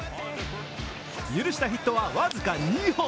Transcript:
許したヒットは僅か２本。